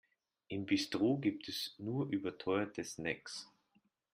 Im Bistro gibt es nur überteuerte Snacks.